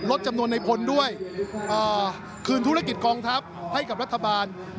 จำนวนในพลด้วยคืนธุรกิจกองทัพให้กับรัฐบาล